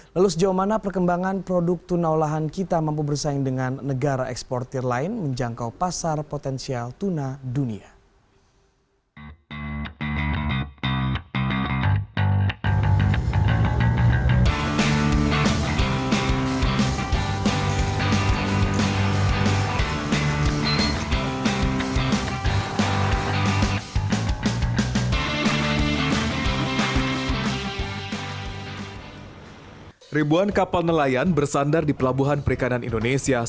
lalu sejauh mana perkembangan produk tuna olahan kita mampu bersaing dengan negara ekspor tier lain menjangkau pasar potensial tuna dunia